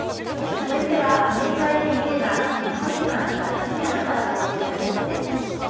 続いてはアメリカＡＢＣが日本時間けさ７時半から放送したニュースです。